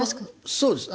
そうです。